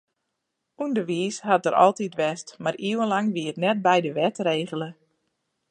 Underwiis hat der altyd west, mar iuwenlang wie it net by de wet regele.